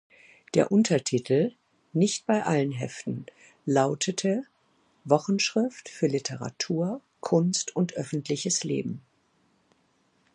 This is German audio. Der Untertitel, nicht bei allen Heften, lautete "Wochenschrift für Literatur, Kunst und öffentliches Leben".